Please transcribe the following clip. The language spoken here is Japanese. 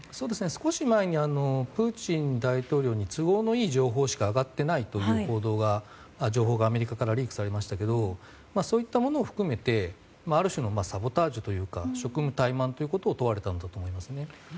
少し前にプーチン大統領に都合のいい情報しか上がっていないという情報がアメリカからリークされましたがそういったものを含めてある種のサボタージュというか職務怠慢を問われたのだと思いますね。